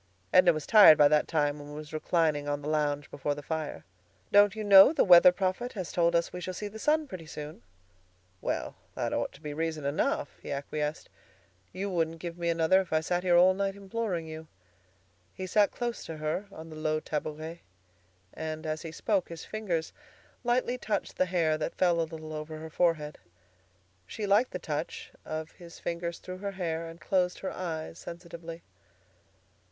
Edna was tired by that time, and was reclining on the lounge before the fire. "Don't you know the weather prophet has told us we shall see the sun pretty soon?" "Well, that ought to be reason enough," he acquiesced. "You wouldn't give me another if I sat here all night imploring you." He sat close to her on a low tabouret, and as he spoke his fingers lightly touched the hair that fell a little over her forehead. She liked the touch of his fingers through her hair, and closed her eyes sensitively.